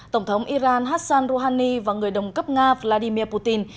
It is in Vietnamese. tổng thống iran hassan rouhani và người đồng cấp nga vladimir putin